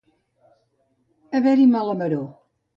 Haver-hi mala maror.